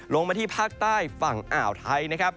ลงมาที่ภาคใต้ฝั่งอ่าวไทย